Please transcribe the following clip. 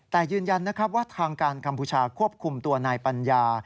แต่ยืนยันนะครับว่าทางการกัมพูชาควบคุมตัวนายปัญญา